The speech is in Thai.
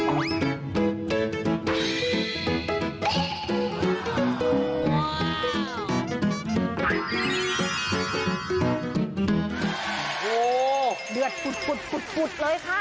โอ้โหเดือดปุดเลยค่ะ